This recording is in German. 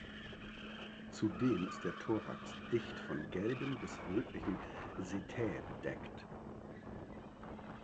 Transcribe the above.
Zudem ist der Thorax dicht von gelben bis rötlichen Setae bedeckt.